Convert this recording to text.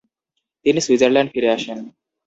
তিনি সুইজারল্যান্ড ফিরে আসেন।